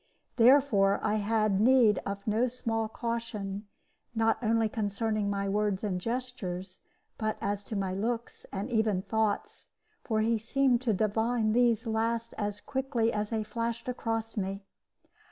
Therefore I had need of no small caution, not only concerning my words and gestures, but as to my looks and even thoughts, for he seemed to divine these last as quickly as they flashed across me.